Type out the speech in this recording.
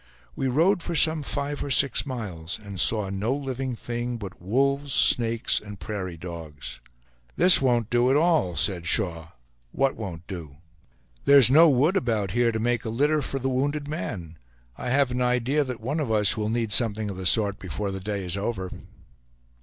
We rode for some five or six miles, and saw no living thing but wolves, snakes, and prairie dogs. "This won't do at all," said Shaw. "What won't do?" "There's no wood about here to make a litter for the wounded man; I have an idea that one of us will need something of the sort before the day is over."